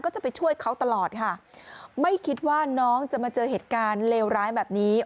ก็จะไปช่วยเขาตลอดค่ะไม่คิดว่าน้องจะมาเจอเหตุการณ์เลวร้ายแบบนี้